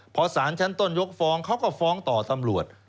พอสารชั้นต้นยกฟ้องเขาก็ฟ้องต่อตำรวจ